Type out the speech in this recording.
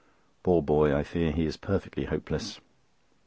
Poor boy, I fear he is perfectly hopeless.